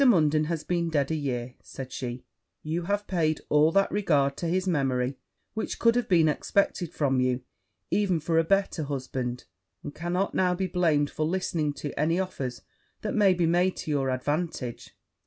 Munden has been dead a year,' said she; 'you have paid all that regard to his memory which could have been expected from you, even for a better husband; and cannot now be blamed for listening to any offers that may be made to your advantage.'